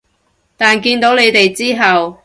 但見到你哋之後